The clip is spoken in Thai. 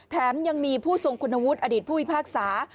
แถมยังมีผู้ทรงคุณวุฒิอดีตผู้พิพากษา